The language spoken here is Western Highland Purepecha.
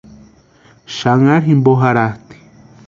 Xanharhu jimpo jarhatʼi.